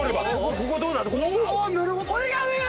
ここどうなんだ？